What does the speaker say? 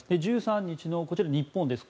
１３日のこちらは日本です。